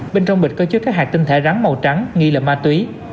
bên trong bịch có chứa các hạt tinh thể rắn màu trắng nghi là ma túy